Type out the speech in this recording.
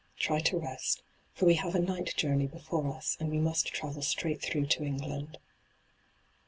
Try to rest, for we have a night journey before ua, and we must travel straight through to England.'